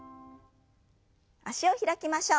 脚を開きましょう。